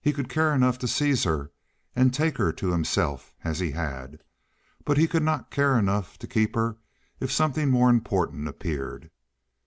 He could care enough to seize her and take her to himself as he had, but he could not care enough to keep her if something more important appeared.